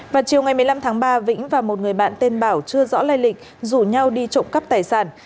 vào chiều ngày một mươi năm tháng ba vĩnh và một người bạn tên bảo chưa rõ lây lịch rủ nhau đi trộm cắp tài sản